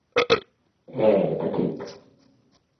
হ্যাঁ, এটা ঠিক।